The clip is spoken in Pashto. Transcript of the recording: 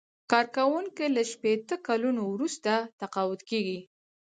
کارکوونکی له شپیته کلونو وروسته تقاعد کیږي.